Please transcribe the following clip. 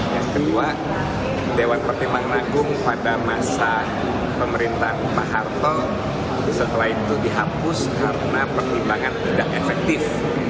yang kedua dewan pertimbangan agung pada masa pemerintahan pak harto setelah itu dihapus karena pertimbangan tidak efektif